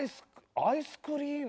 アイスクリーム。